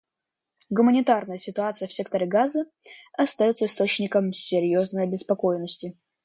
Гуманитарная ситуация в секторе Газа остается источником серьезной обеспокоенности.